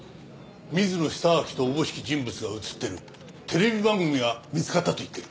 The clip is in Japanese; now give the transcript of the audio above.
水野久明とおぼしき人物が映ってるテレビ番組が見つかったと言ってる。